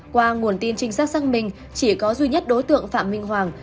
qua nguồn tin trinh sát xác minh chỉ có duy nhất đối tượng phạm minh hoàng